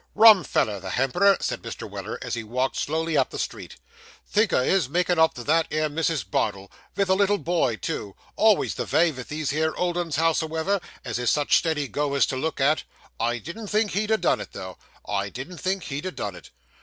'Rum feller, the hemperor,' said Mr. Weller, as he walked slowly up the street. 'Think o' his makin' up to that 'ere Mrs. Bardell vith a little boy, too! Always the vay vith these here old 'uns howsoever, as is such steady goers to look at. I didn't think he'd ha' done it, though I didn't think he'd ha' done it!